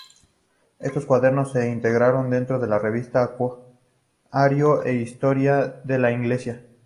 Estos Cuadernos se integraron dentro de la revista Anuario de Historia de la Iglesia.